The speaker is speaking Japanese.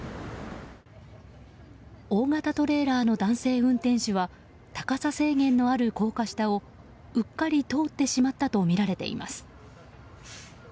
大型トレーラーの男性運転手は高さ制限のある高架下をうっかり通ってしまったとみられています。